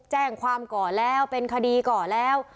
แจ้งความก่อแล้วเป็นคดีก่อแล้ว